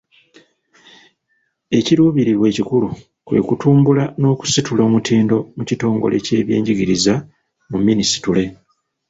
Ekiruubirirwa ekikulu kwe kutumbula n'okusitula omutindo mu kitongole ky'ebyenjigiriza mu minisitule.